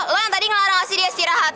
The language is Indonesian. lo yang tadi ngelarang kasih dia istirahat